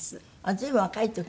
随分若い時ね。